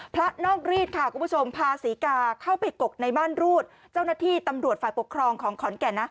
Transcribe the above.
พระนอกรีดพาสีกาเข้าไปกกในบ้านรูดเจ้าหน้าที่ตำรวจฝ่าปกครองของขอนแก่น